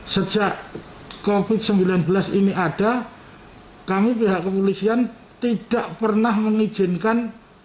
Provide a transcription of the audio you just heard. sejak covid sembilan belas ini ada kami pihak kepolisian tidak pernah mengizinkan